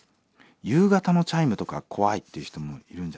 夕方のチャイムとか怖いっていう人もいるんじゃないのかな。